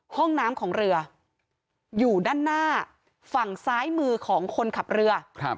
ห้องน้ำของเรืออยู่ด้านหน้าฝั่งซ้ายมือของคนขับเรือ